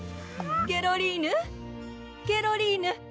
ケロリーヌケロリーヌ！